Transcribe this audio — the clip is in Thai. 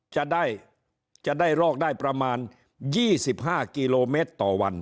จะได้รอกได้ประมาณ๒๕กิโลเมตรต่อวัน